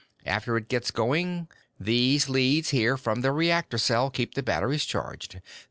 After it gets going, these leads here from the reactor cell keep the batteries charged.